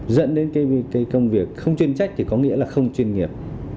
dẫn đến cái công việc không chuyên trách thì có nghĩa là không chuyên nghiệp